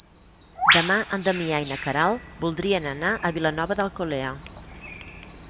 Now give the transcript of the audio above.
Demà en Damià i na Queralt voldrien anar a Vilanova d'Alcolea.